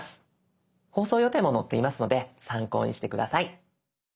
放送予定も載っていますので参考にして下さい。